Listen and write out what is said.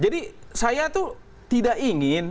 jadi saya tuh tidak ingin